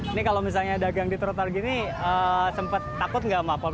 ini kalau misalnya dagang di trotoar gini sempat takut nggak pak pol pp